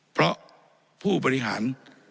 เพราะผู้บริหาร